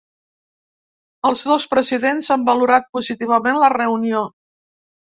Els dos presidents han valorat positivament la reunió.